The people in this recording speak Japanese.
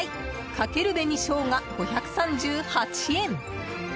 かける紅生姜、５３８円。